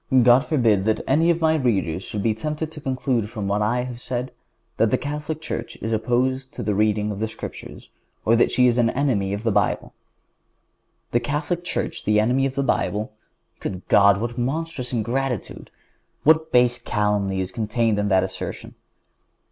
God forbid that any of my readers should be tempted to conclude from what I have said that the Catholic Church is opposed to the reading of the Scriptures, or that she is the enemy of the Bible. The Catholic Church the enemy of the Bible! Good God! What monstrous ingratitude! What base calumny is contained in that assertion!